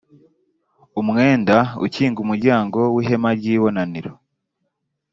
umwenda ukinga umuryango w ihema ry ibonaniro